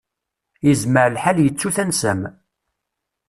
Yezmer lḥal yettu tansa-m.